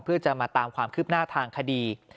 เพื่อจะมาตามความคืบหน้าทางคดี